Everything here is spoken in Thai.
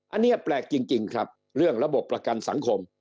อันนี้แปลกจริงครับเรื่องระบบประกันสังคม